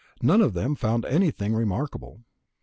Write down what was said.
None of them found anything remarkable.